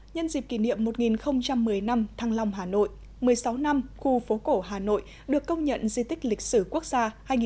nhân dịp kỷ niệm một nghìn một mươi năm thăng long hà nội một mươi sáu năm khu phố cổ hà nội được công nhận di tích lịch sử quốc gia hai nghìn bốn hai nghìn hai mươi